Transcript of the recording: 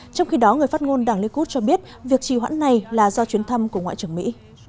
trong khi đó người phát ngôn đảng likud cho biết việc trì hoãn này là do chuyến thăm của ngoại trưởng mỹ